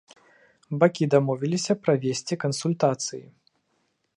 Бакі дамовіліся правесці кансультацыі.